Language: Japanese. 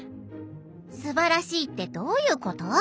「『すばらしい』ってどういうこと？